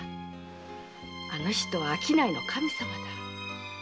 あの人は商いの神様だ。